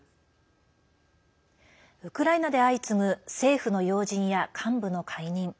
ウクライナで相次ぐ政府の要人や幹部の解任。